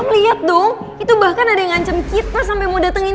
mam lihat dong itu bahkan ada yang ancam kita sampai muda mudian